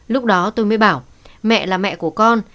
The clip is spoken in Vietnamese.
lúc đó tôi mới bảo mẹ là mẹ của con